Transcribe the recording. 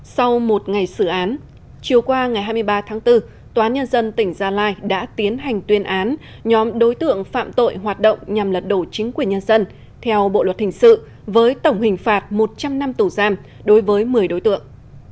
sau một ngày xử án chiều qua ngày hai mươi ba tháng bốn tòa án nhân dân tỉnh gia lai đã tiến hành tuyên án nhóm đối tượng phạm tội hoạt động nhằm lật đổ chính quyền nhân dân theo bộ luật hình sự với tổng hình phạt một trăm linh năm tù giam đối với một mươi đối tượng